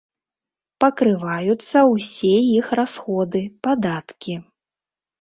Пакрываюцца ўсе іх расходы, падаткі.